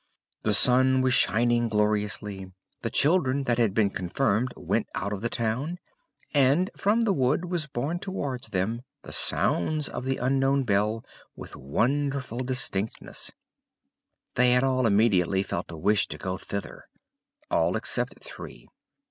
The sun was shining gloriously; the children that had been confirmed went out of the town; and from the wood was borne towards them the sounds of the unknown bell with wonderful distinctness. They all immediately felt a wish to go thither; all except three.